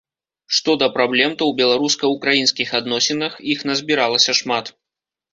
Што да праблем, то ў беларуска-украінскіх адносінах, іх назбіралася шмат.